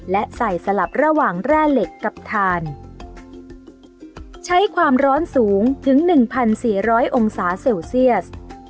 และใส่สลับระหว่างแร่เหล็กกับทานใช้ความร้อนสูงถึงหนึ่งพันสี่ร้อยองศาเซลเซียส